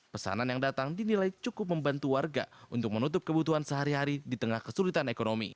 pesanan yang datang dinilai cukup membantu warga untuk menutup kebutuhan sehari hari di tengah kesulitan ekonomi